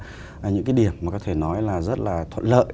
và đều có những cái điểm mà có thể nói là rất là thuận lợi